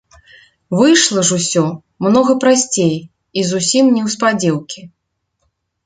Выйшла ж усё многа прасцей і зусім неўспадзеўкі.